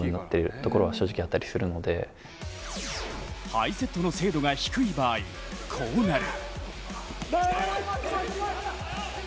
ハイセットの精度が低い場合こうなる。